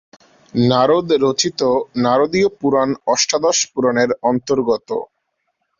নারদ রচিত নারদীয় পুরাণ অষ্টাদশ পুরাণের অন্তর্গত।